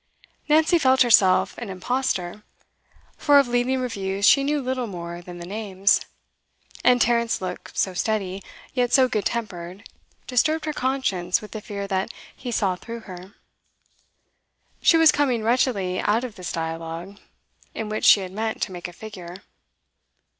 Nancy felt herself an impostor, for of leading reviews she knew little more than the names. And Tarrant's look, so steady, yet so good tempered, disturbed her conscience with the fear that he saw through her. She was coming wretchedly out of this dialogue, in which she had meant to make a figure.